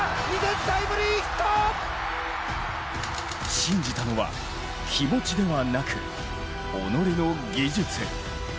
信じたのは気持ちではなく、己の技術。